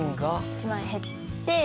１万円減って。